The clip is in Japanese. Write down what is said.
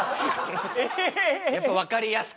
やっぱ分かりやすく。